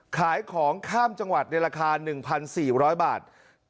ขายของข้ามจังหวัดในราคา๑๔๐๐บาท